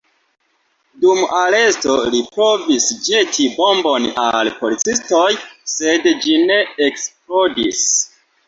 Dum aresto li provis ĵeti bombon al policistoj, sed ĝi ne eksplodis.